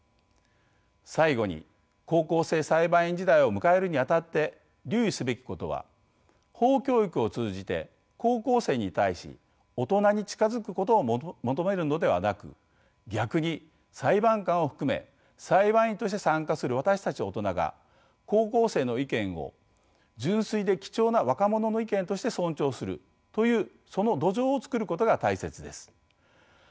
最後に高校生裁判員時代を迎えるにあたって留意すべきことは法教育を通じて高校生に対し大人に近づくことを求めるのではなく逆に裁判官を含め裁判員として参加する私たち大人が高校生の意見を純粋で貴重な若者の意見として尊重するというその土壌を作ることが大切です。